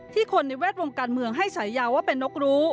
คนในแวดวงการเมืองให้ฉายาว่าเป็นนกรู้